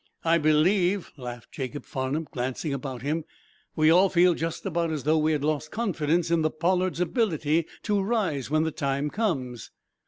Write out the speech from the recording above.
"I believe," laughed Jacob Farnum glancing about him, "we all feel just about as though we had lost confidence in the 'Pollard's' ability to rise when the time comes."